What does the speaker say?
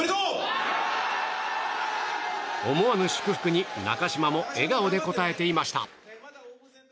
思わぬ祝福に中島も笑顔で応えました。